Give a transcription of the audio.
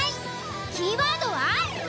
キーワードは。